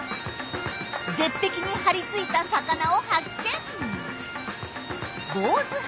絶壁に張り付いた魚を発見！